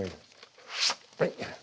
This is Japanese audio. はい。